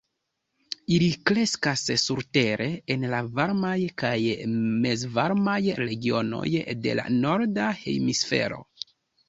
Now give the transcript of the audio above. Ili kreskas surtere en la varmaj kaj mezvarmaj regionoj de la norda hemisfero.